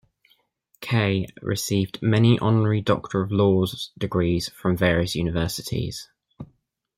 Kaye received many honorary Doctor of Laws degrees from various universities.